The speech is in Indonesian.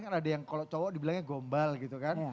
kan ada yang kalau cowok dibilangnya gombal gitu kan